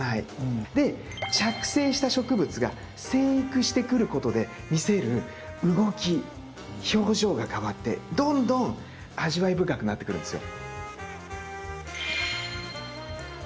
で着生した植物が生育してくることで見せる動き表情が変わってどんどん味わい深くなってくるんですよ。